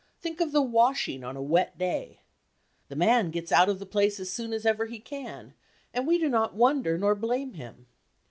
Think of the washing on a wet day! The man gets out of the place as soon as ever he can, and we do not wonder nor blame him.